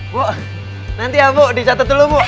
bu nanti ya bu dicatat dulu bu